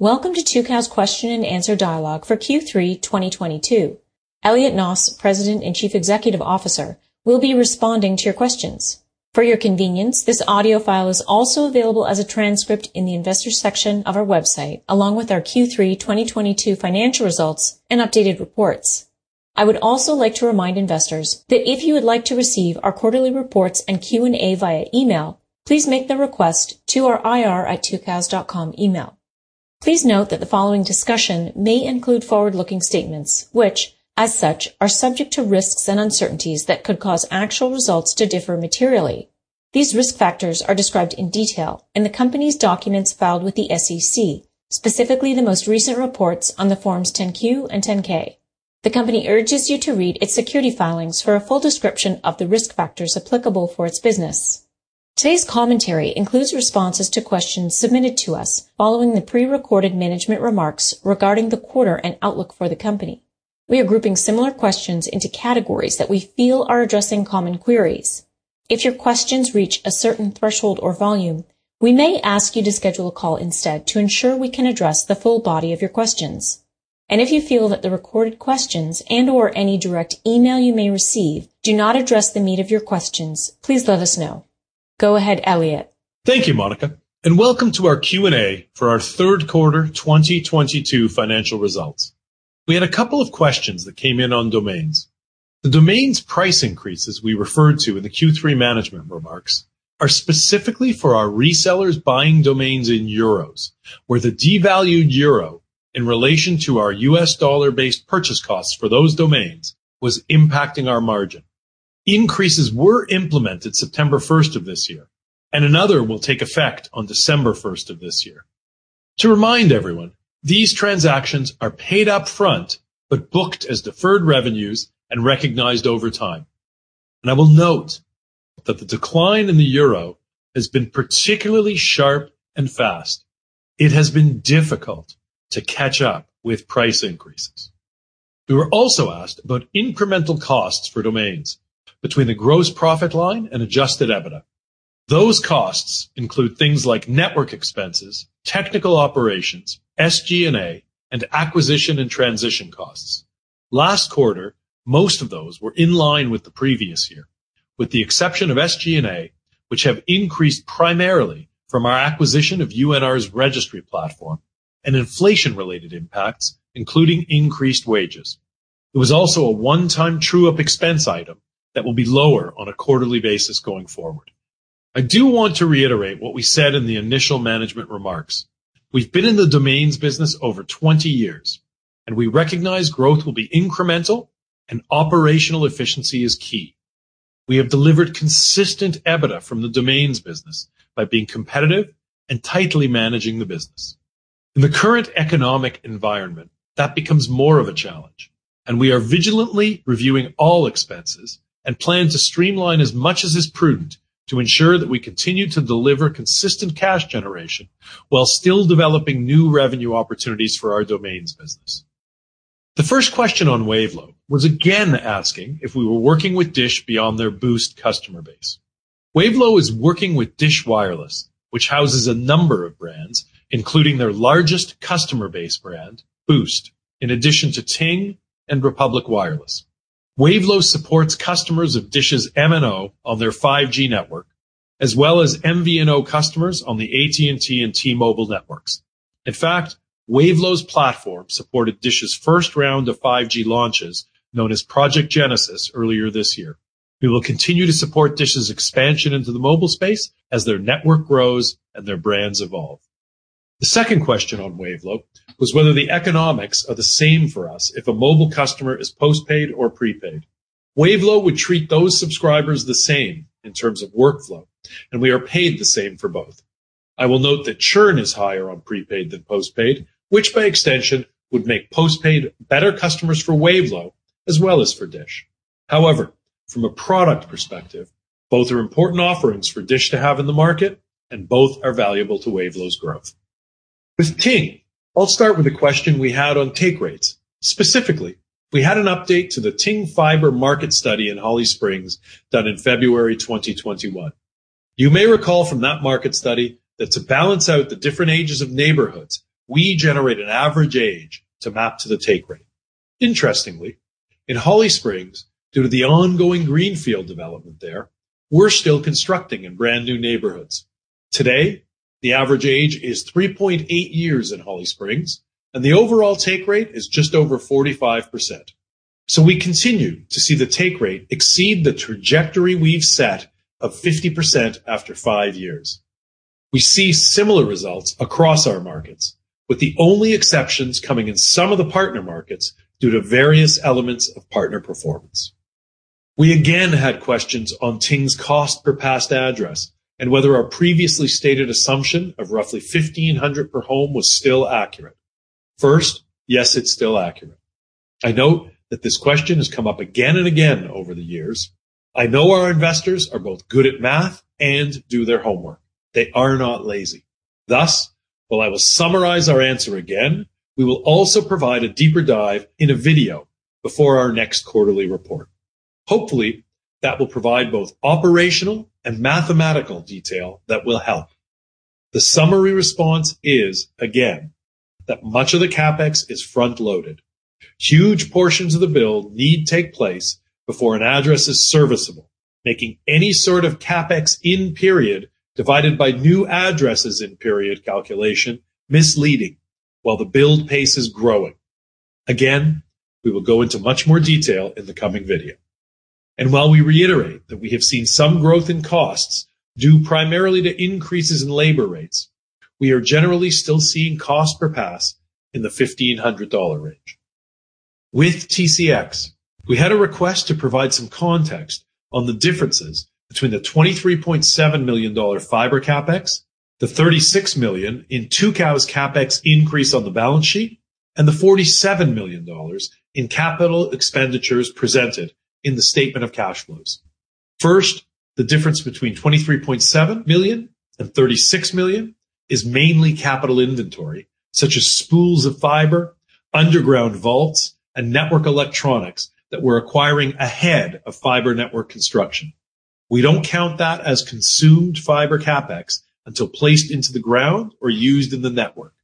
Welcome to Tucows question-and-answer dialogue for Q3 2022. Elliot Noss, President and Chief Executive Officer, will be responding to your questions. For your convenience, this audio file is also available as a transcript in the Investors section of our website, along with our Q3 2022 financial results and updated reports. I would also like to remind investors that if you would like to receive our quarterly reports and Q&A via email, please make the request to our ir@tucows.com email. Please note that the following discussion may include forward-looking statements, which, as such, are subject to risks and uncertainties that could cause actual results to differ materially. These risk factors are described in detail in the company's documents filed with the SEC, specifically the most recent reports on the Form 10-Q and Form 10-K. The company urges you to read its security filings for a full description of the risk factors applicable for its business. Today's commentary includes responses to questions submitted to us following the prerecorded management remarks regarding the quarter and outlook for the company. We are grouping similar questions into categories that we feel are addressing common queries. If your questions reach a certain threshold or volume, we may ask you to schedule a call instead to ensure we can address the full body of your questions. If you feel that the recorded questions and/or any direct email you may receive do not address the meat of your questions, please let us know. Go ahead, Elliot. Thank you, Monica. Welcome to our Q&A for our Q3 2022 financial results. We had a couple of questions that came in on domains. The domains price increases we referred to in the Q3 management remarks are specifically for our resellers buying domains in EUR, where the devalued EUR in relation to our U.S. dollar-based purchase costs for those domains was impacting our margin. Increases were implemented September 1st of this year. Another will take effect on December 1st of this year. To remind everyone, these transactions are paid upfront. Booked as deferred revenues and recognized over time. I will note that the decline in the EUR has been particularly sharp and fast. It has been difficult to catch up with price increases. We were also asked about incremental costs for domains between the gross profit line and adjusted EBITDA. Those costs include things like network expenses, technical operations, SG&A, and acquisition and transition costs. Last quarter, most of those were in line with the previous year, with the exception of SG&A, which have increased primarily from our acquisition of UNR's registry platform and inflation-related impacts, including increased wages. There was also a one-time true-up expense item that will be lower on a quarterly basis going forward. I do want to reiterate what we said in the initial management remarks. We've been in the domains business over 20 years, and we recognize growth will be incremental and operational efficiency is key. We have delivered consistent EBITDA from the domains business by being competitive and tightly managing the business. In the current economic environment, that becomes more of a challenge, and we are vigilantly reviewing all expenses and plan to streamline as much as is prudent to ensure that we continue to deliver consistent cash generation while still developing new revenue opportunities for our domains business. The first question on Wavelo was again asking if we were working with Dish beyond their Boost customer base. Wavelo is working with Dish Wireless, which houses a number of brands, including their largest customer base brand, Boost, in addition to Ting and Republic Wireless. Wavelo supports customers of Dish's MNO on their 5G network, as well as MVNO customers on the AT&T and T-Mobile networks. In fact, Wavelo's platform supported Dish's first round of 5G launches, known as Project Genesis, earlier this year. We will continue to support Dish's expansion into the mobile space as their network grows and their brands evolve. The second question on Wavelo was whether the economics are the same for us if a mobile customer is postpaid or prepaid. Wavelo would treat those subscribers the same in terms of workflow, and we are paid the same for both. I will note that churn is higher on prepaid than postpaid, which by extension would make postpaid better customers for Wavelo as well as for Dish. However, from a product perspective, both are important offerings for Dish to have in the market, and both are valuable to Wavelo's growth. With Ting, I'll start with a question we had on take rates. Specifically, we had an update to the Ting Fiber market study in Holly Springs done in February 2021. You may recall from that market study that to balance out the different ages of neighborhoods, we generate an average age to map to the take rate. Interestingly, in Holly Springs, due to the ongoing greenfield development there, we're still constructing in brand-new neighborhoods. Today, the average age is 3.8 years in Holly Springs, and the overall take rate is just over 45%. We continue to see the take rate exceed the trajectory we've set of 50% after five years. We see similar results across our markets, with the only exceptions coming in some of the partner markets due to various elements of partner performance. We again had questions on Ting's cost per passed address and whether our previously stated assumption of roughly 1,500 per home was still accurate. First, yes, it's still accurate. I note that this question has come up again and again over the years. I know our investors are both good at math and do their homework. They are not lazy. Thus, while I will summarize our answer again, we will also provide a deeper dive in a video before our next quarterly report. Hopefully that will provide both operational and mathematical detail that will help. The summary response is, again, that much of the CapEx is front-loaded. Huge portions of the build need take place before an address is serviceable, making any sort of CapEx in period divided by new addresses in period calculation misleading while the build pace is growing. Again, we will go into much more detail in the coming video. While we reiterate that we have seen some growth in costs due primarily to increases in labor rates, we are generally still seeing cost per pass in the $1,500 range. With TCX, we had a request to provide some context on the differences between the $23.7 million fiber CapEx, the $36 million in Tucows' CapEx increase on the balance sheet, and the $47 million in capital expenditures presented in the statement of cash flows. First, the difference between $23.7 million and $36 million is mainly capital inventory, such as spools of fiber, underground vaults, and network electronics that we're acquiring ahead of fiber network construction. We don't count that as consumed fiber CapEx until placed into the ground or used in the network.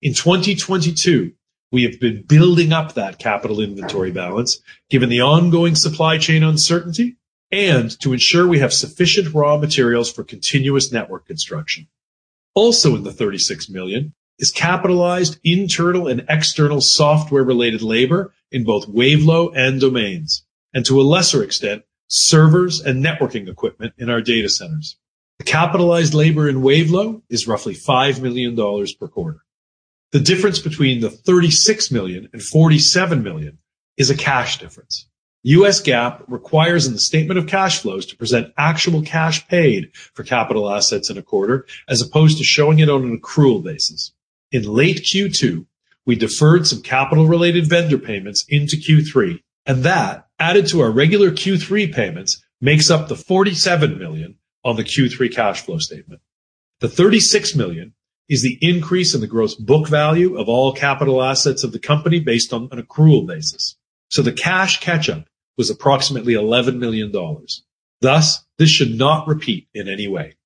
In 2022, we have been building up that capital inventory balance given the ongoing supply chain uncertainty and to ensure we have sufficient raw materials for continuous network construction. In the $36 million is capitalized internal and external software related labor in both Wavelo and Domains, and to a lesser extent, servers and networking equipment in our data centers. The capitalized labor in Wavelo is roughly $5 million per quarter. The difference between the $36 million and $47 million is a cash difference. U.S. GAAP requires in the statement of cash flows to present actual cash paid for capital assets in a quarter as opposed to showing it on an accrual basis. In late Q2, we deferred some capital related vendor payments into Q3. That added to our regular Q3 payments, makes up the $47 million on the Q3 cash flow statement. The $36 million is the increase in the gross book value of all capital assets of the company based on an accrual basis. The cash catch-up was approximately $11 million. This should not repeat in any way.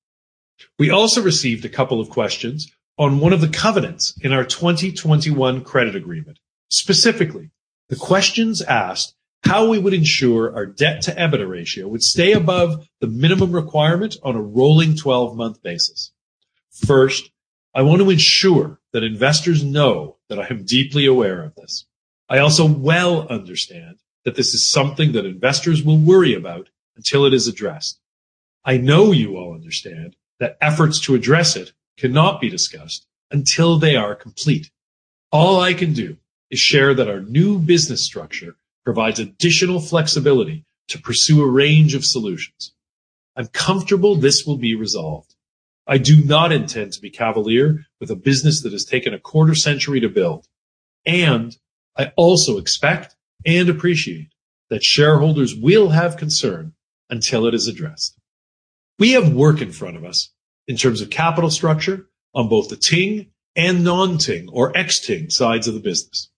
We also received a couple of questions on one of the covenants in our 2021 credit agreement. Specifically, the questions asked how we would ensure our debt to EBITDA ratio would stay above the minimum requirement on a rolling 12-month basis. I want to ensure that investors know that I am deeply aware of this. I also well understand that this is something that investors will worry about until it is addressed. I know you all understand that efforts to address it cannot be discussed until they are complete. All I can do is share that our new business structure provides additional flexibility to pursue a range of solutions. I'm comfortable this will be resolved. I do not intend to be cavalier with a business that has taken a quarter century to build, and I also expect and appreciate that shareholders will have concern until it is addressed. We have work in front of us in terms of capital structure on both the Ting and non-Ting or xTing sides of the business.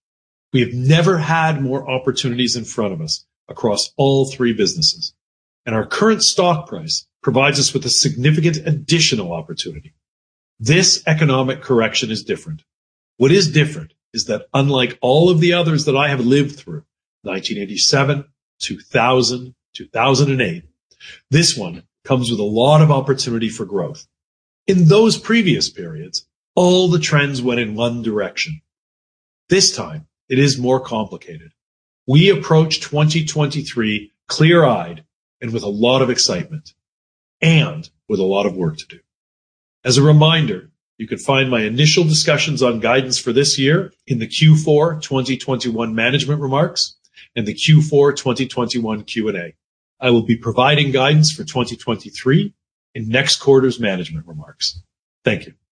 We have never had more opportunities in front of us across all three businesses, and our current stock price provides us with a significant additional opportunity. This economic correction is different. What is different is that unlike all of the others that I have lived through, 1987, 2000, 2008, this one comes with a lot of opportunity for growth. In those previous periods, all the trends went in one direction. This time it is more complicated. We approach 2023 clear-eyed and with a lot of excitement and with a lot of work to do. As a reminder, you can find my initial discussions on guidance for this year in the Q4 2021 management remarks and the Q4 2021 Q&A. I will be providing guidance for 2023 in next quarter's management remarks. Thank you.